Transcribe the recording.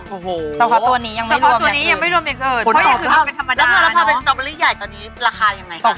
โอ้โหสามารถตัวนี้ยังไม่รวมยังเกินคือคุณออกมาแล้วพาเป็นสตรอบบอรี่ใหญ่ตอนนี้ราคาอย่างไรคะ